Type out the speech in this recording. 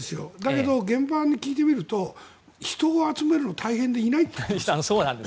だけど現場に聞いてみると人を集めるのが大変でいないっていうんです。